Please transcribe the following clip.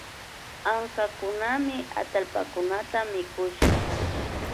Ankakunami atallpakunata mikushka